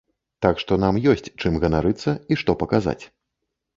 Так што нам ёсць чым ганарыцца і што паказаць.